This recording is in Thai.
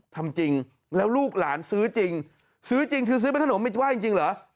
ทำจริงแล้วลูกหลานซื้อจริงซื้อจริงคือซื้อเป็นขนมไม่ได้จริงเหรอ